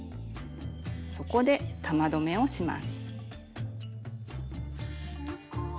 そこで玉留めをします。